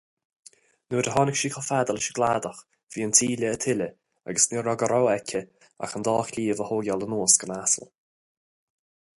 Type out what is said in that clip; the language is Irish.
Nuair a tháinig sí chomh fada leis an gcladach, bhí an taoille ag tuile agus ní raibh de rogha aici ach an dá chliabh a thógáil anuas den asal.